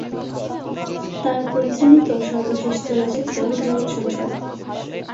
তার পরিচালিত সর্বশেষ চলচ্চিত্র "জগৎ সংসার"।